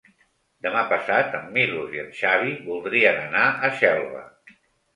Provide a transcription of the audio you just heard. Demà passat en Milos i en Xavi voldrien anar a Xelva.